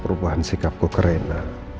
perubahan sikapku ke rina